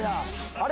あれ？